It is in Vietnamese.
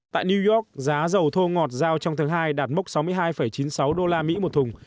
tại new york giá dầu thô ngọt giao trong tháng hai đạt mốc sáu mươi hai chín mươi sáu đô la mỹ một thùng